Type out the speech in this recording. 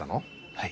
はい。